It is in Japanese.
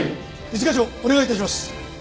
一課長お願い致します。